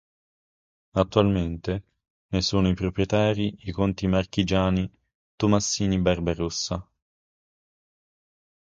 Attualmente ne sono i proprietari i conti marchigiani Tomassini Barbarossa.